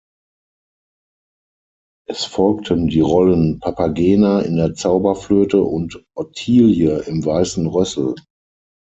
Es folgten die Rollen „Papagena“ in der Zauberflöte und „Ottilie“ im „Weißen Rößl“.